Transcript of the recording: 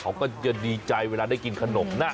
เขาก็จะดีใจเวลาได้กินขนมนะ